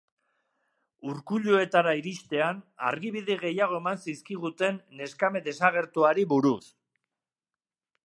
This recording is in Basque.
Ukuiluetara iristean, argibide gehiago eman zizkiguten neskame desagertuari buruz.